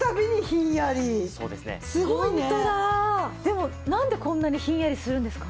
でもなんでこんなにひんやりするんですか？